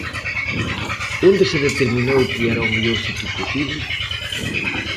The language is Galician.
¿Onde se determinou que era o mellor sitio posible?